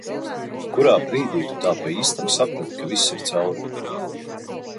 Kurā brīdī tu tā pa īstam saprati, ka viss ir cauri?